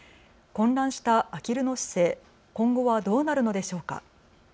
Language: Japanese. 混乱したあきるの市政、今後はどうなるのでしょうか。